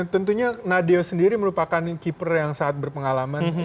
tentunya nadeo sendiri merupakan keeper yang sangat berpengalaman di sepak bola indonesia